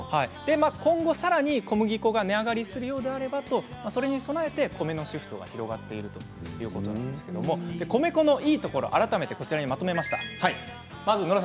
今後さらに小麦粉が値上がりするようであればそれに備えてお米へのシフトが広がっているということなんですけれども米粉のいいところを改めてまとめました。